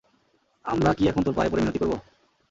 আমরা কী এখন তোর পায়ে পড়ে মিনতি করব?